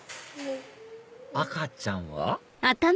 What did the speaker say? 赤ちゃんは？